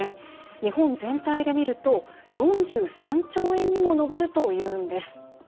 日本全体で見ると４３兆円にも上るというんです。